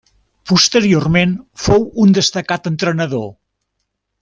Posteriorment fou un destacat entrenador.